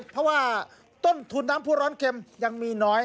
เพราะว่าต้นทุนน้ำผู้ร้อนเข็มยังมีน้อย